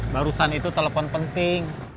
barusan itu telepon penting